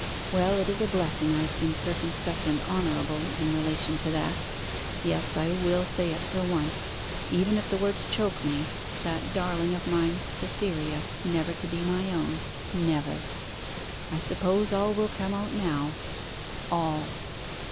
'Well, it is a blessing I have been circumspect and honourable, in relation to that yes, I will say it, for once, even if the words choke me, that darling of mine, Cytherea, never to be my own, never. I suppose all will come out now. All!